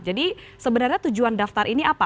jadi sebenarnya tujuan daftar ini apa